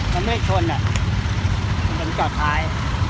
กำลังไปช้อนไหนจัดท้าย